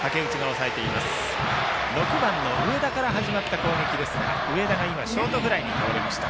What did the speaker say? ６番の上田から始まった攻撃ですが上田が今、ショートフライに倒れました。